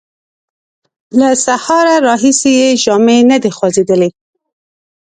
له سهاره راهیسې یې ژامې نه دې خوځېدلې!